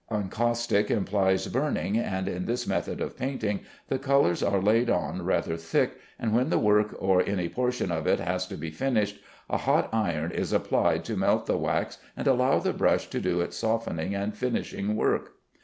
"Encaustic" implies burning, and in this method of painting the colors are laid on rather thick, and when the work or any portion of it has to be finished, a hot iron is applied to melt the wax and allow the brush to do its softening and finishing work.